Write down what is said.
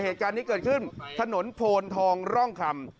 เหตุการณ์นี้เกิดขึ้นถนนโพนทองร่องคำ